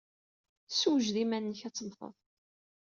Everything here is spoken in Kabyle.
Ssewjed iman-nnek ad temmted!